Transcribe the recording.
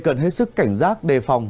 cần hết sức cảnh giác đề phòng